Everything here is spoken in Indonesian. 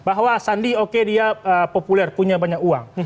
bahwa sandi oke dia populer punya banyak uang